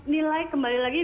nilai kembali lagi